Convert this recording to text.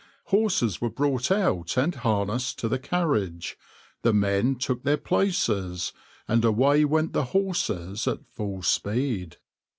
Horses were brought out and harnessed to the carriage, the men took their places, and away went the horses at full speed.